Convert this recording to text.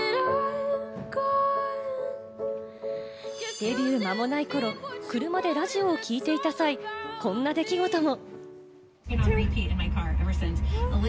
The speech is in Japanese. デビューまもない頃、車でラジオを聞いていた際、こんな出来事も。